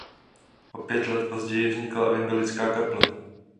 O pět let později vznikla evangelická kaple.